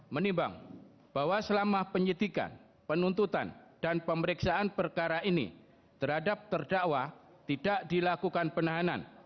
menimbang bahwa selama penyidikan penuntutan dan pemeriksaan perkara ini terhadap terdakwa tidak dilakukan penahanan